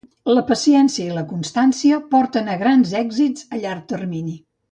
La paciència i la constància porten a grans èxits a llarg termini.